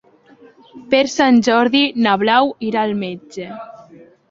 Per Sant Jordi na Blau irà al metge.